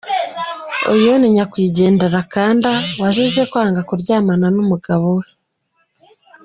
uyu ni nyakwigendera Kanda wazize kwanga kuryamana n’umugabo we.